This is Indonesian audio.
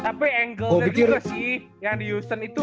tapi angle nya juga sih yang di user itu